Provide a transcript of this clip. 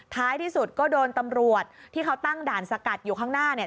ท้ายที่สุดก็โดนตำรวจที่เขาตั้งด่านสกัดอยู่ข้างหน้าเนี่ย